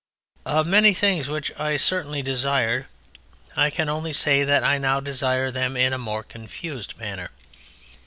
Of many things which I certainly desired I can only say that I now desire them in a more confused manner.